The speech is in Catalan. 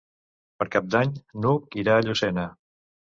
Per Cap d'Any n'Hug irà a Llucena.